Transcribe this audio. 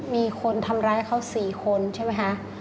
มีคนทำร้ายเขา๔คนใช่ไหมคะ